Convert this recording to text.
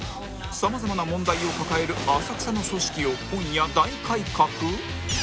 さまざまな問題を抱える浅草の組織を今夜大改革？